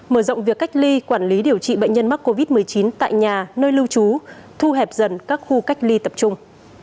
nhiều địa phương ghi nhận số mắc covid một mươi chín tại nhà nơi lưu trú thu hẹp dần các khu cách ly tập trung